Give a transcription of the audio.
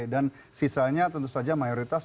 dan sisanya tentu saja mayoritas